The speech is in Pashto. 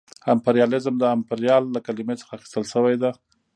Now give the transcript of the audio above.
امپریالیزم د امپریال له کلمې څخه اخیستل شوې ده